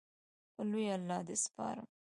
په لوی الله دې سپارم